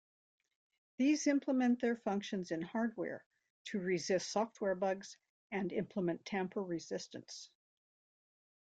These implement their functions in hardware to resist software bugs and implement tamper resistance.